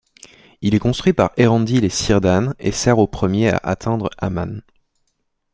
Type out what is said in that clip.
Il est construit par Eärendil et Círdan, et sert au premier à atteindre Aman.